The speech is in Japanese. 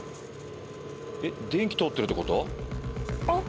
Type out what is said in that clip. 電気通ってるってこと？